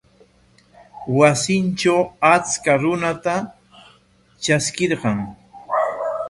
Wasintraw achka runata traskirqan.